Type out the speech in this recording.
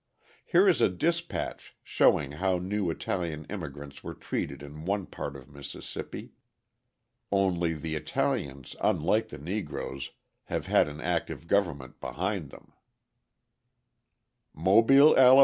Here is a dispatch showing how new Italian immigrants were treated in one part of Mississippi only the Italians, unlike the Negroes, have an active government behind them: MOBILE, ALA.